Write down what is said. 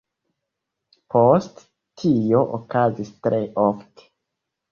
Poste, tio okazis tre ofte.